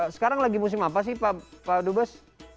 sekarang lagi musim apa sih pak dubes